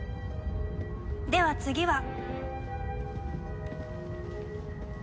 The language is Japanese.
では次は。